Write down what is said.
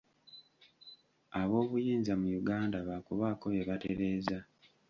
Aboobuyinza mu Uganda baakubaako bye batereeza.